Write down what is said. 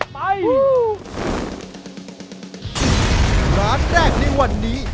ไปร้านแรกในวันนี้